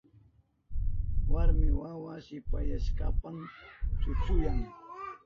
Warmi wawa shipasyashpan chuchuyan.